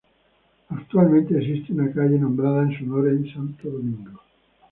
Actualmente, existe una calle nombrada en su honor en Santo Domingo.